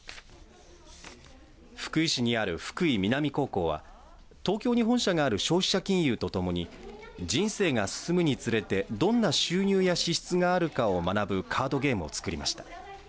福井市にある福井南高校は東京に本社がある消費者金融とともに人生が進むにつれてどんな収入や支出があるかを学ぶカードゲームをつくりました。